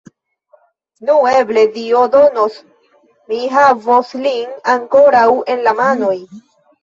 Nu, eble Dio donos, mi havos lin ankoraŭ en la manoj!